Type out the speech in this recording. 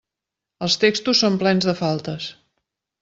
Els textos són plens de faltes.